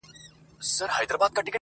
غوړه مال چي چا تر څنګ دی درولی.!